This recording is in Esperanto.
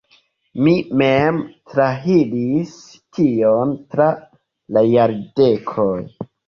Mi mem trairis tion tra la jardekoj.